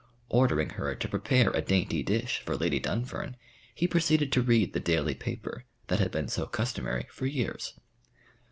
Ordering her to prepare a dainty dish for Lady Dunfern, he proceeded to read the daily paper, that had been so customary for years.